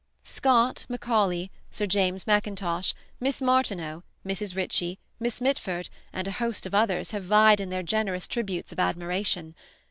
Scott, Macaulay, Sir James Mackintosh, Miss Martineau, Mrs. Ritchie, Miss Mitford, and a host of others have vied in their generous tributes of admiration.